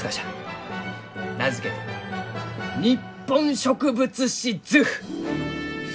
名付けて「日本植物志図譜」。